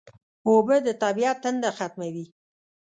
اوبه د طبیعت تنده ختموي